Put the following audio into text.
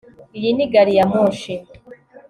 Iyi ni gariyamoshi